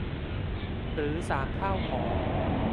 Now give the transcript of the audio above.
หรือสามเท่าของ